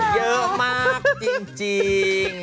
เยอะมากจริง